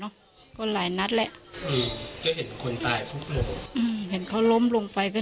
เนอะก็หลายนัดแหละอืมเห็นคนตายฟุกลงอืมเห็นเขาร้มลงไปก็